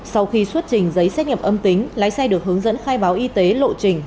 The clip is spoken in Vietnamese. sau khi xuất trình giấy xét nghiệm âm tính lái xe được hướng dẫn khai báo y tế lộ trình